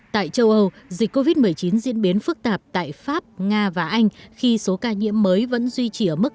tại châu âu dịch covid một mươi chín diễn biến phức tạp tại pháp nga và anh khi số ca nhiễm mới vẫn duy trì ở mức